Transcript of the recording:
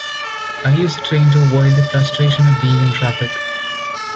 I use the train to avoid the frustration of being in traffic.